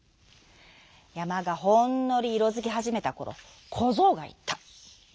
やまがほんのりいろづきはじめたころこぞうがいった。